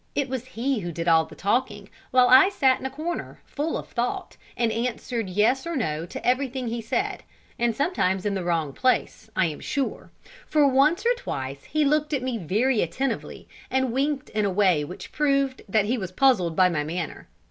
It was he who did all the talking, while I sat in a corner, full of thought, and answered yes or no to everything he said, and sometimes in the wrong place, I am sure; for once or twice he looked at me very attentively, and winked in a way which proved that he was puzzled by my manner.